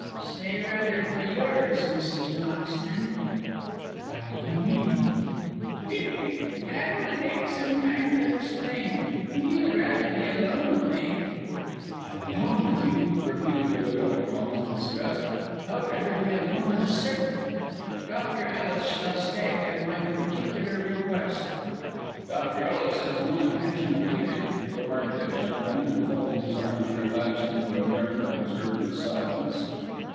"Say rather for yours, Mrs. Moxton." "What do you mean?" "He! he! that will take some time to explain. If you would rather be alone with me " "Alone with you," repeated the widow, in tones of disgust. "I would rather be alone with a serpent. Dr. Ellis shall stay at my particular request." "Dr. Ellis has no intention of leaving," remarked that gentleman, and folding his arms relapsed into a grim but observant silence.